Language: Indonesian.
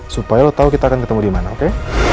supaya lo tau kita akan ketemu dimana oke